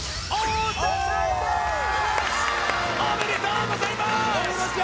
おめでとうございます！